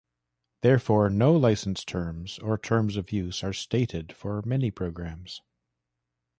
Therefore, no license terms or terms of use are stated for many programs.